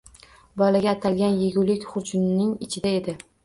Bolaga atalgan yegulik xurjunning ichida edi